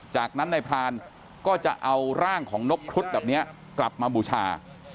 จากนั้นนายพรานก็จะเอาร่างของนกครุฑแบบนี้กลับมาบูชา